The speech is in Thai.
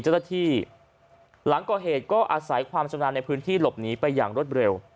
เจ้าหน้าที่หลังก่อเหตุก็อาศัยความชำนาญในพื้นที่หลบหนีไปอย่างรวดเร็ว